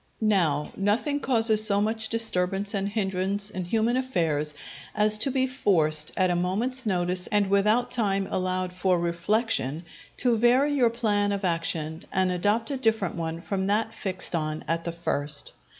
Now, nothing causes so much disturbance and hindrance in human affairs, as to be forced, at a moment's notice and without time allowed for reflection, to vary your plan of action and adopt a different one from that fixed on at the first.